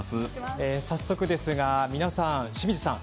早速ですが皆さん、清水さん